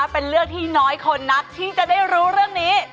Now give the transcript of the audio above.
เป็นเรื่องที่น้อยคนนักที่จะได้รู้เรื่องนี้